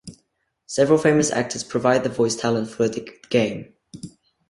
Several famous actors provide the voice talent for the game.